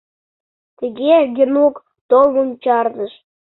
Тыге Генук толмым чарныш.